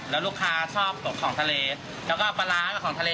แล้วลูกค้าชอบของทะเล